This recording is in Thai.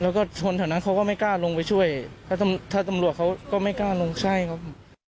แล้วก็ชนแถวนั้นเขาก็ไม่กล้าลงไปช่วยถ้าตำรวจเขาก็ไม่กล้าลงใช่ครับ